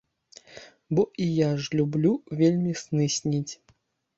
Бо і я ж люблю вельмі сны сніць.